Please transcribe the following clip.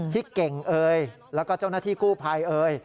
พี่เก่งเอ่ยแล้วก็เจ้าหน้าที่กู้ภัยเอ่ย